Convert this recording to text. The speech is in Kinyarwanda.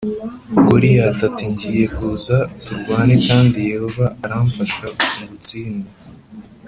Goliyati Ati Ngiye Kuza Turwane Kandi Yehova Aramfasha Ngutsinde